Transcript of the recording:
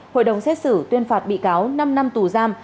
hội đồng xét xử tuyên phạt bị cáo năm năm tù giam